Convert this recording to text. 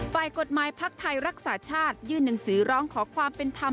ฝ่ายกฎหมายพักไทยรักษาชาติยื่นหนังสือร้องขอความเป็นธรรม